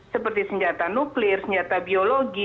seperti senjata nuklir senjata biologi